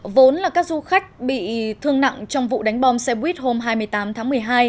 vốn là các du khách bị thương nặng trong vụ đánh bom xe buýt hôm hai mươi tám tháng một mươi hai